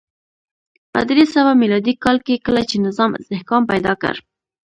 په درې سوه میلادي کال کې کله چې نظام استحکام پیدا کړ